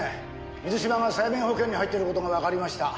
水嶋が生命保険に入ってる事がわかりました。